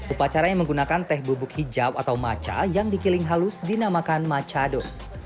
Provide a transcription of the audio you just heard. upacara yang menggunakan teh bubuk hijau atau matcha yang dikiling halus dinamakan matchado